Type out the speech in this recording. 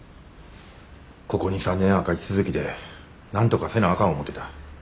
ここ２３年赤字続きでなんとかせなあかん思てた。